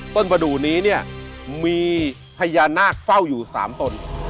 ประดูกนี้เนี่ยมีพญานาคเฝ้าอยู่๓ตน